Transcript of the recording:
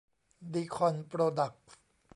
ดีคอนโปรดักส์